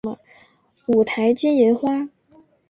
五台金银花